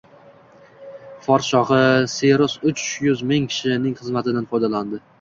Fors shohi Cyrus uch yuz ming kishining xizmatidan foydalandi